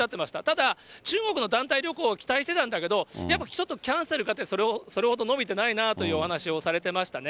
ただ、中国の団体旅行を期待してたんだけど、やっぱりちょっとキャンセルがあって、それほど伸びてないなというお話をされてましたね。